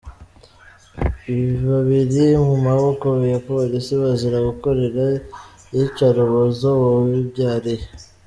Babiri mu maboko ya Polisi bazira gukorera iyicarubozo uwo bibyariye